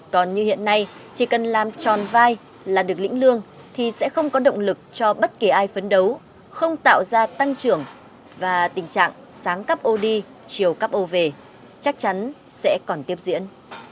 còn như hiện nay chỉ cần làm tròn vai là được lĩnh lương thì sẽ không có động lực cho bất kỳ ai phấn đấu không tạo ra tăng trưởng và tình trạng sáng cắp ô đi chiều cắp ô về chắc chắn sẽ còn tiếp diễn